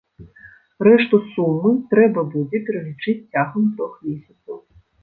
Рэшту сумы трэба будзе пералічыць цягам трох месяцаў.